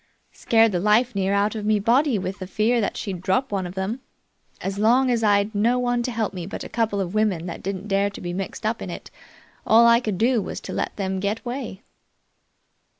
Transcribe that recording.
Scared the life near out of me body with the fear that she'd drop one of them. As long as I'd no one to help me but a couple of women that didn't dare be mixed up in it, all I could do was to let them get away."